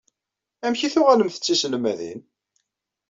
Amek i tuɣalemt d tiselmadin?